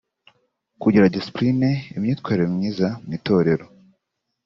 Kugira discipline (imyitwarire myiza) mu Itorero